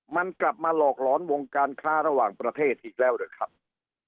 มันกลับมาหลอกหลอนวงการค้าระหว่างประเทศอีกแล้วหรือครับ